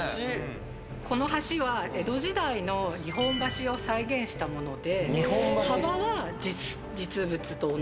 この橋は江戸時代の日本橋を再現したもので。